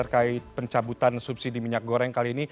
kita ini dibingungkan